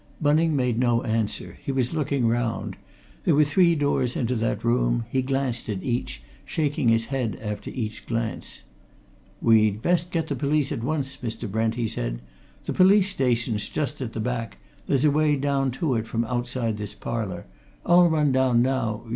Bunning made no answer. He was looking round. There were three doors into that room; he glanced at each, shaking his head after each glance. "We'd best get the police, at once, Mr. Brent," he said. "The police station's just at the back there's a way down to it from outside this parlour. I'll run down now.